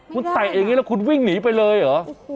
คุณไต่อย่างนี้แล้วคุณวิ่งหนีไปเลยเหรอ